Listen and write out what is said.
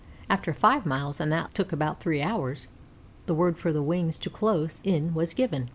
After five miles and that took about three hours the word for the wings to close in was given.